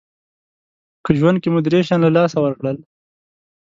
که ژوند کې مو درې شیان له لاسه ورکړل